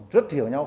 rất hiểu nhau